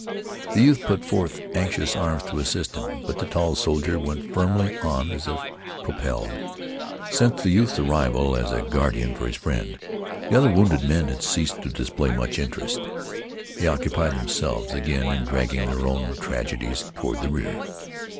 The youth put forth anxious arms to assist him, but the tall soldier went firmly on as if propelled. Since the youth's arrival as a guardian for his friend, the other wounded men had ceased to display much interest. They occupied themselves again in dragging their own tragedies toward the rear.